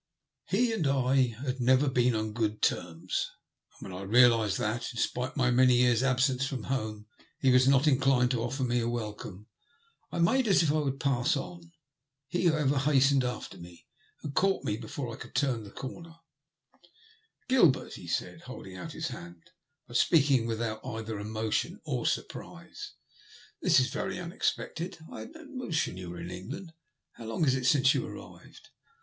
He and I had never been on good terms, and when I realised that, in spite of my many years' absence from home, he was not inclined to offer me a welcome, I made as if I would pass on. He, however, hastened after me, and caught me before I could turn the comer. 40 THE LUST OF HATE. Gilbert/' he said, holding out his hand, but speak ing without either emotion or surprise, this is very unexpected. I had no notion you were in England. How long is it since you arrived?